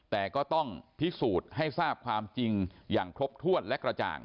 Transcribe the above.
แต่ก็ต้องพิสูจน์ให้ทราบความจริงอย่างครบถ้วนและกระจ่าง